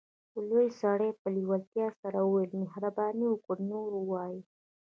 لوی سړي په لیوالتیا سره وویل مهرباني وکړئ نور ووایئ